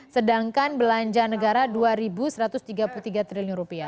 sedangkan belanja negara rp dua satu ratus tiga puluh tiga triliun